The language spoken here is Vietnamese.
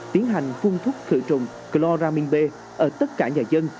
tiến hành phun thuốc khửi trùng cloramin b ở tất cả nhà dân